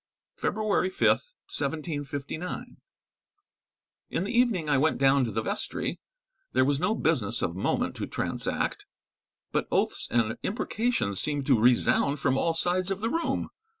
"February 5th, 1759. In the evening I went down to the vestry; there was no business of moment to transact, but oaths and imprecations seemed to resound from all sides of the room.